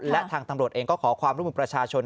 และทางตังโลกเองก็ขอความรู้มุมประชาชน